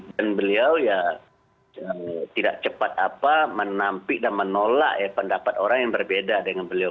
dan beliau ya tidak cepat apa menampik dan menolak pendapat orang yang berbeda dengan beliau